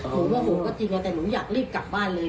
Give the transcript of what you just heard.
ผมก็โหก็จริงแต่หนูอยากรีบกลับบ้านเลย